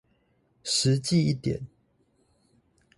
實際一點